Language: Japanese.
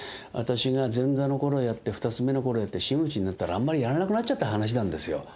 私が前座の頃やって二つ目の頃やって真打になったらあんまりやらなくなっちゃった話なんです。